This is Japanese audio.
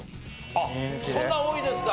そんな多いですか？